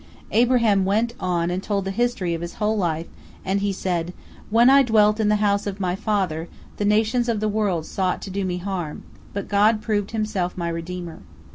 Abraham went on and told the history of his whole life, and he said: "When I dwelt in the house of my father, the nations of the world sought to do me harm, but God proved Himself my Redeemer.